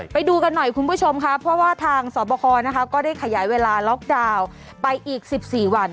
ไปดูกันหน่อยคุณผู้ชมค่ะเพราะว่าทางสอบคอนะคะก็ได้ขยายเวลาล็อกดาวน์ไปอีก๑๔วัน